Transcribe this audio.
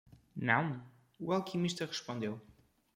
"Não?" o alquimista respondeu.